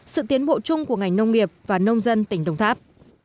sự tiến bộ chung của ngành nông nghiệp và nông dân tỉnh đồng tháp